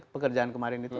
pekerjaan kemarin itu